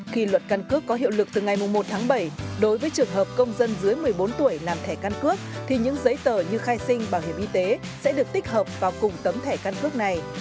khi luật căn cước có hiệu lực từ ngày một tháng bảy đối với trường hợp công dân dưới một mươi bốn tuổi làm thẻ căn cước thì những giấy tờ như khai sinh bảo hiểm y tế sẽ được tích hợp vào cùng tấm thẻ căn cước này